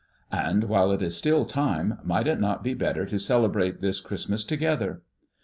And while it is still time, might it not be better to celebrate this Christmas together?